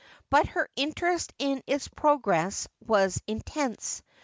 But her interest in its progress was intense.